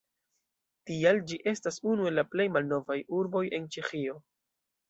Tial ĝi estas unu el la plej malnovaj urboj en Ĉeĥio.